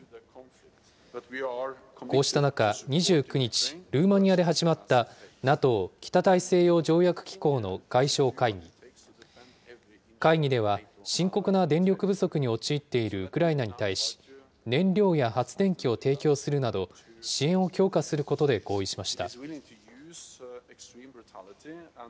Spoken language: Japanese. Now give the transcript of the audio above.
こうした中、２９日、ルーマニアで始まったＮＡＴＯ・北大西洋条約機構の外相会議。会議では、深刻な電力不足に陥っているウクライナに対し、燃料や発電機を提供するなど、支援を強化することで合意しました。